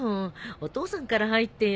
お父さんから入ってよ。